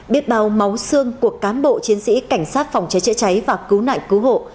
biết bao máu xương của cán bộ chiến sĩ cảnh sát phòng cháy chữa cháy và cứu nạn cứu hộ